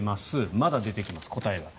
まだ出てきます、答えが。